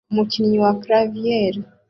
Umukinnyi wa clavier